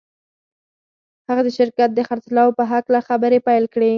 هغه د شرکت د خرڅلاو په هکله خبرې پیل کړې